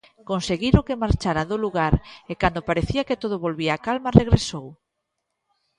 Conseguiron que marchara do lugar, e cando parecía que todo volvía á calma, regresou.